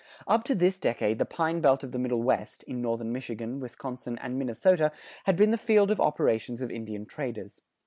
Up to this decade the pine belt of the Middle West, in northern Michigan, Wisconsin, and Minnesota had been the field of operations of Indian traders.